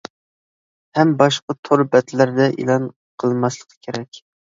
ھەم باشقا تور بەتلەردە ئېلان قىلماسلىقى كېرەك.